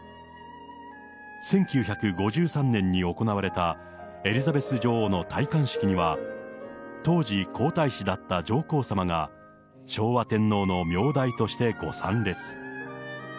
１９５３年に行われたエリザベス女王の戴冠式には、当時、皇太子だった上皇さまが、昭和天皇の名代としてご参列。